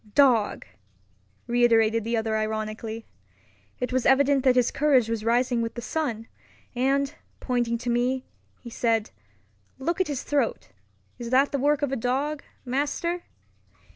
"Dog!" reiterated the other ironically. It was evident that his courage was rising with the sun; and, pointing to me, he said, "Look at his throat. Is that the work of a dog, master?"